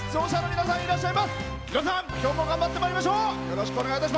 皆さん、きょうも頑張ってまいりましょう！